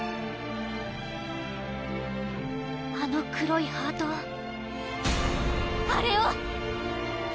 あの黒いハートをあれを！